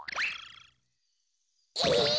え！